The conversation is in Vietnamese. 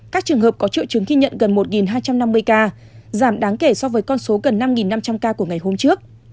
các trường hợp có triệu chứng ghi nhận gần một hai trăm năm mươi ca giảm đáng kể so với con số gần năm năm trăm linh ca của ngày hôm trước